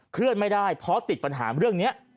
เคลื่อนไม่ได้เพราะติดปัญหาเรื่องนี้